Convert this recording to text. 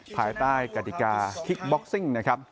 ภายใต้กฎิกาคิกบ็อกซิ่งนะครับ